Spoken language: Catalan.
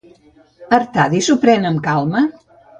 Artadi s'ho pren amb calma?